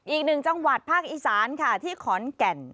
อีกหนึ่งจังหวัดภาคอีสานค่ะที่ขอนแก่น